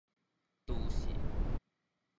駐死